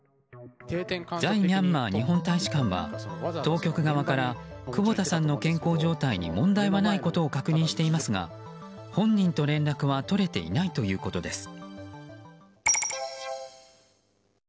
在ミャンマー日本大使館は当局側から久保田さんの健康状態に問題はないことを確認していますが本人と連絡は取れていないということです。